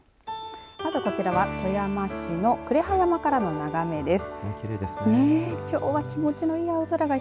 まずこちらは富山市の呉羽山からの眺めです。